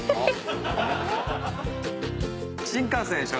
新幹線でしょ？